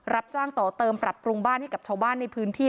รับจ้างต่อเติมปรับปรุงบ้านให้กับชาวบ้านในพื้นที่